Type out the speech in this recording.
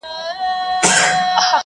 خپل مقام وساتئ.